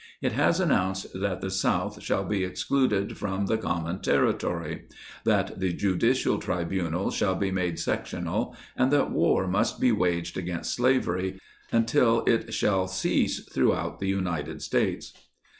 It has announced, that the South shall be excluded from the common Territory ; that the Judicial Tribunals shall be made sectional, and that a war must be waged against slavery until it shall cease throughout the United States.